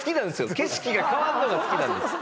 景色が変わるのが好きなんです